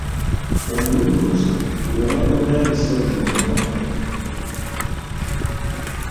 Omululuuza gwoba onaabisa buli lunaku.